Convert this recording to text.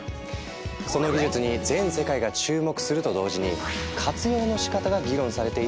その技術に全世界が注目すると同時に活用のしかたが議論されているドローン。